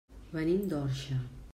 Venim de l'Orxa.